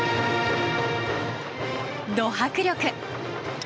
ド迫力。